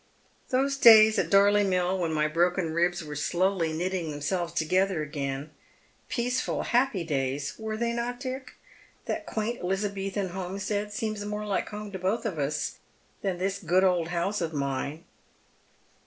" Those days at Dorley Mill, when my broken ribs were slowly knitting themselves together again — peaceful, happy days, were they not, Dick? That quaint Elizabethan homestead seemed more like home to botli of us than this good old house of mine.